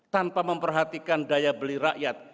tanpa memperhatikan daya beli rakyat